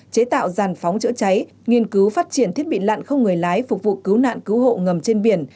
chế tạo giàn phóng chữa cháy nghiên cứu phát triển thiết bị lặn không người lái phục vụ cứu nạn cứu hộ ngầm trên biển